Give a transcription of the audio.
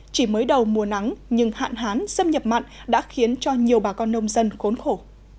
chỉ mới đầu mùa nắng nhưng hạn hán xâm nhập mặn đã khiến cho nhiều bà con nông dân khốn khổ